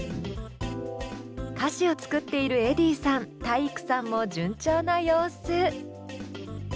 歌詞を作っているｅｄｈｉｉｉさん体育さんも順調な様子。